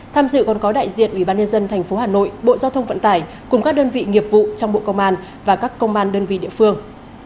tham dự còn có đại diện ubnd tp hà nội bộ giao thông vận tải cùng các đơn vị nghiệp vụ trong bộ công an và các công an đơn vị địa phương